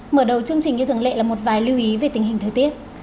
mở đầu chương trình như thường lệ là một vài lưu ý về tình hình thời tiết